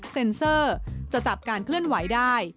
เซ็นเซอร์จะจับการเคลื่อนไหวได้